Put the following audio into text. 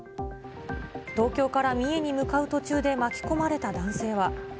東京から三重に向かう途中で巻き込まれた男性は。